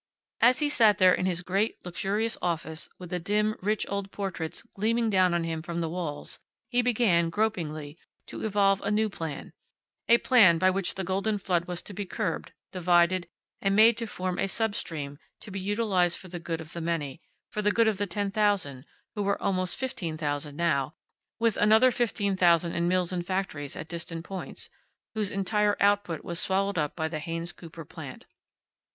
As he sat there in his great, luxurious office, with the dim, rich old portraits gleaming down on him from the walls, he began, gropingly, to evolve a new plan; a plan by which the golden flood was to be curbed, divided, and made to form a sub stream, to be utilized for the good of the many; for the good of the Ten Thousand, who were almost Fifteen Thousand now, with another fifteen thousand in mills and factories at distant points, whose entire output was swallowed up by the Haynes Cooper plant.